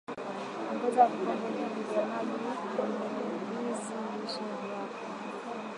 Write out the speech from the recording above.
ongeza vikombe mbili vya maji kwenye vizi lishe vyako